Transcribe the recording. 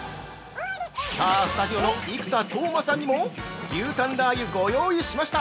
さあ、スタジオの生田斗真さんにも「牛タンラー油」ご用意しました！！